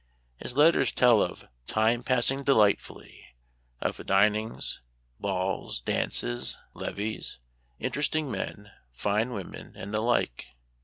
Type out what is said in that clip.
His letters tell of " time passing de lightfully ;" of dinings, balls, dances, levees, interesting men, fine women, and the like.